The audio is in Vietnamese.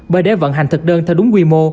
bởi để vận hành thực đơn theo đúng quy mô